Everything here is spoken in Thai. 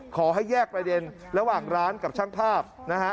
ขอให้แยกประเด็นระหว่างร้านกับช่างภาพนะฮะ